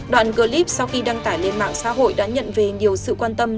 đoạn clip sau khi đăng tải lên mạng xã hội đã nhận về nhiều sự quan tâm